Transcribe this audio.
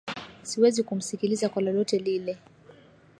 Siwezi kumsikiliza kwa lolote lile.